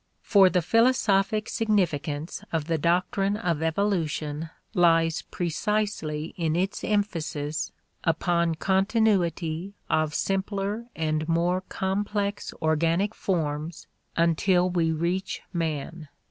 For the philosophic significance of the doctrine of evolution lies precisely in its emphasis upon continuity of simpler and more complex organic forms until we reach man.